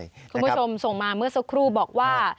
คุณผู้ชมส่งมาเมื่อสักครู่บอกว่า